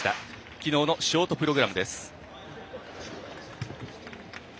きのうのショートプログラムです。